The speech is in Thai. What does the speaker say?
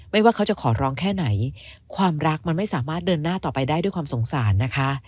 ว่าเขาจะขอร้องแค่ไหนความรักมันไม่สามารถเดินหน้าต่อไปได้ด้วยความสงสารนะคะ